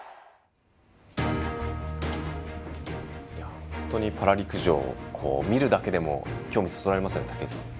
本当にパラ陸上見るだけでも興味をそそられますね。